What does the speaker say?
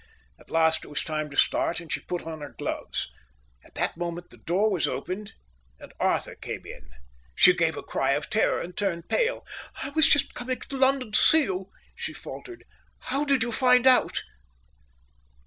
At last it was time to start, and she put on her gloves. At that moment the door was opened, and Arthur came in. She gave a cry of terror and turned pale. "I was just coming to London to see you," she faltered. "How did you find out?"